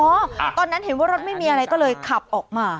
ตอนนั้นเห็นว่ารถไม่มีอะไรก็เลยขับออกมา